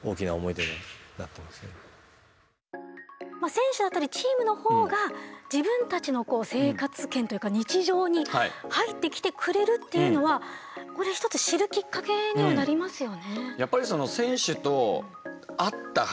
選手だったりチームの方が自分たちの生活圏というか日常に入ってきてくれるっていうのはここで一つ知るきっかけにはなりますよね。